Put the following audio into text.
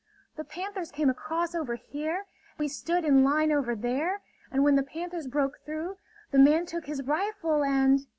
The panthers came across over here; we stood in line over there. And when the panthers broke through, the man took his rifle, and...."